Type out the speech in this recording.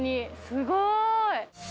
すごい！